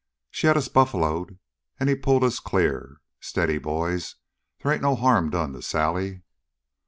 "She had us buffaloed, and he pulled us clear. Steady, boys. They ain't no harm done to Sally!"